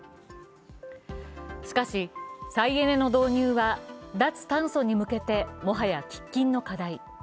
しかし、再エネの導入は脱炭素に向けてもはや喫緊の課題。